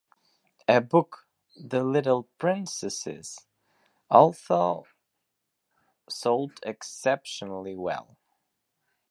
A book, "The Little Princesses", also sold exceptionally well.